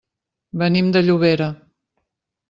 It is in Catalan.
Venim de Llobera.